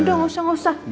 udah gak usah gak usah